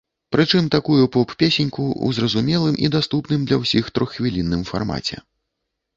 Прычым такую поп-песеньку, у зразумелым і даступным для ўсіх троххвілінным фармаце.